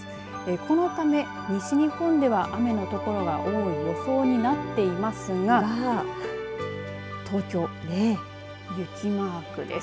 このため西日本では雨の所が多い予想になっていますが東京、雪マークです。